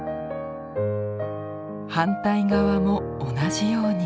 反対側も同じように。